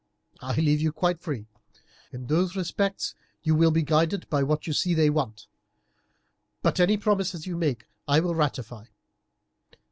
I leave you quite free. In those respects you will be guided by what you see they want; but any promises you may make I will ratify.